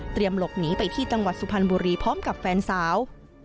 หลบหนีไปที่จังหวัดสุพรรณบุรีพร้อมกับแฟนสาว